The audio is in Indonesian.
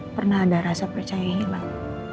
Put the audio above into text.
pernah ada rasa percaya hilang